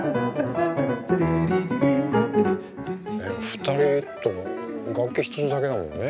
２人と楽器一つだけだもんね。